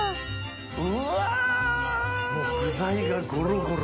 具材がゴロゴロ。